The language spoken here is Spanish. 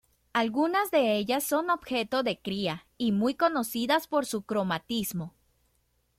Algunas de ellas son objeto de cría y muy conocidas por su cromatismo.